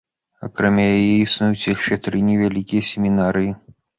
Акрамя яе існуюць яшчэ тры невялікія семінарыі.